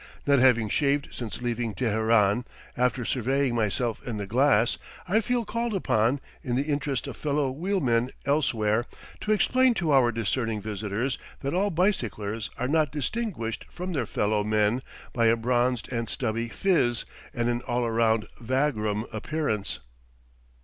Not having shaved since leaving Teheran, after surveying myself in the glass, I feel called upon, in the interest of fellow wheelmen elsewhere, to explain to our discerning visitors that all bicyclers are not distinguished from their fellow men by a bronzed and stubby phiz and an all around vagrom appearance.